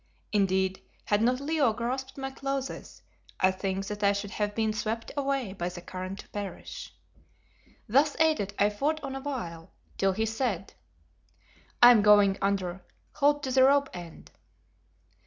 Indeed, had not Leo grasped my clothes I think that I should have been swept away by the current to perish. Thus aided I fought on a while, till he said "I am going under. Hold to the rope end."